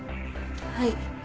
はい。